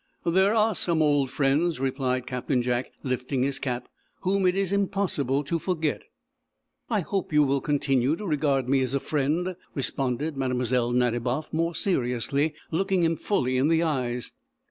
"There are some old friends," replied Captain Jack, lifting his cap, "whom it is impossible to forget." "I hope you will continue to regard me as a friend," responded Mlle. Nadiboff, more seriously, looking him fully in the eyes.